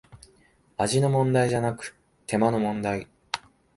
味の問題じゃなく手間の問題